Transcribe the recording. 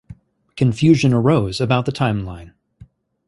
Confusion arose about the timeline.